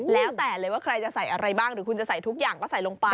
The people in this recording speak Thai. แล้วแต่เลยว่าใครจะใส่อะไรบ้างหรือคุณจะใส่ทุกอย่างก็ใส่ลงไป